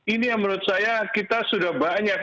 ini yang menurut saya kita sudah banyak